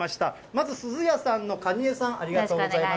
まず鈴やさんの蟹江さん、ありがとうございます。